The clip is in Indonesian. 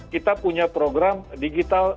kita punya program digital